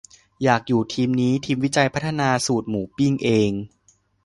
อยากอยู่ทีมนี้ ทีมวิจัยพัฒนาสูตรหมูปิ้งเอง